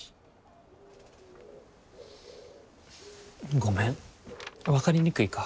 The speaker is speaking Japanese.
ごめん分かりにくいか。